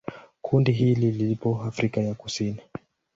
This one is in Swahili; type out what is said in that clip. Kundi hili lipo Afrika ya Kusini.